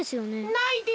ないです。